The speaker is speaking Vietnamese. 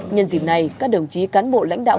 nhân dịp này các đồng chí cán bộ lãnh đạo